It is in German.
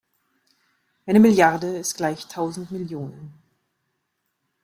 Eine Milliarde ist gleich tausend Millionen.